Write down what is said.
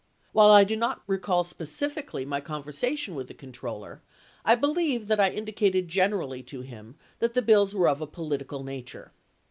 While I do not recall specifically my conversation with the controller, I believe that I indicated generally to him that the bills were of a political nature.